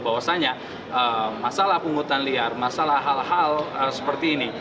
bahwasanya masalah penghutan liar masalah hal hal seperti ini